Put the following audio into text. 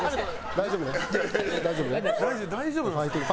大丈夫？